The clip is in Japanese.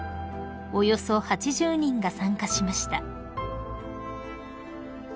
およそ８０人が参加しました］